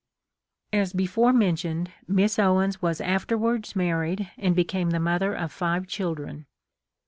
As before mentioned Miss Owens was afterwards married and became the mother of five children.